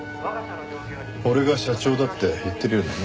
俺が社長だって言ってるようなもんですね。